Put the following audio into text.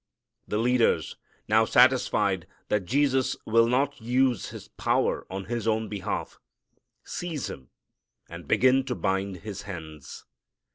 The leaders, now satisfied that Jesus will not use His power on His own behalf, seize Him and begin to bind His hands.